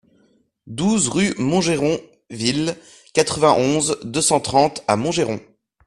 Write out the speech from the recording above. douze rue Montgeron-Ville, quatre-vingt-onze, deux cent trente à Montgeron